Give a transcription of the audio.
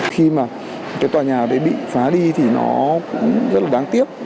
khi mà tòa nhà bị phá đi thì nó cũng rất là đáng tiếc